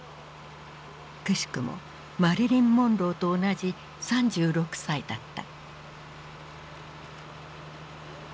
くしくもマリリン・モンローと同じ３６歳だった。